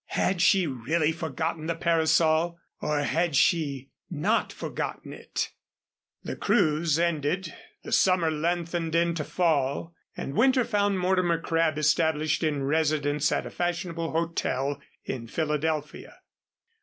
Had she really forgotten the parasol? Or had she not forgotten it? The cruise ended, the summer lengthened into fall, and winter found Mortimer Crabb established in residence at a fashionable hotel in Philadelphia.